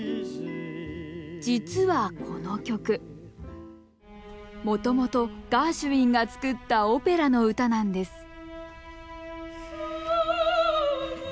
実はこの曲もともとガーシュウィンが作ったオペラの歌なんです